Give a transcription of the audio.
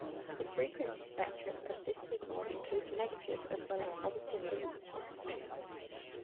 The frequency spectrum of this signal includes negative as well as positive frequencies.